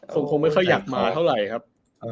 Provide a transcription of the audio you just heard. คงไม่ค่อยอยากมาเท่าไหร่ครับ